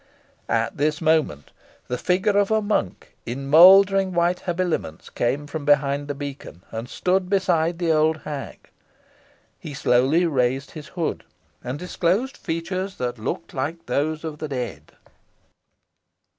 At this moment the figure of a monk, in mouldering white habiliments, came from behind the beacon, and stood beside the old hag. He slowly raised his hood, and disclosed features that looked like those of the dead.